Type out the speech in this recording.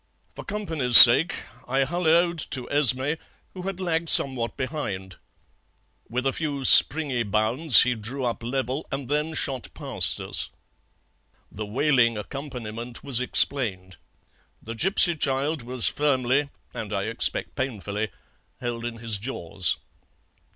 For company's sake I hulloed to Esmé, who had lagged somewhat behind. With a few springy bounds he drew up level, and then shot past us. "The wailing accompaniment was explained. The gipsy child was firmly, and I expect painfully, held in his jaws.